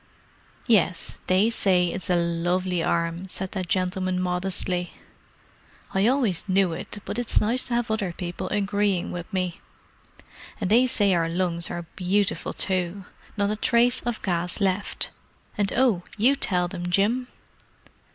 "Yes, they say it's a lovely arm," said that gentleman modestly. "I always knew it, but it's nice to have other people agreeing with me! And they say our lungs are beautiful too; not a trace of gas left. And—oh, you tell them, Jim!"